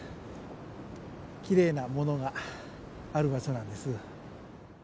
きれいなものがある場所なんです。